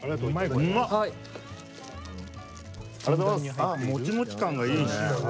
ああもちもち感がいいね。